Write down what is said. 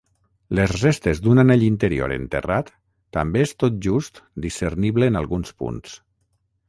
Les restes d'un anell interior enterrat també és tot just discernible en alguns punts.